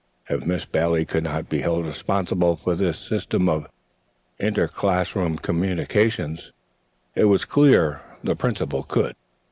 If Miss Bailey could not be held responsible for this system of inter classroom communication, it was clear that the Principal could.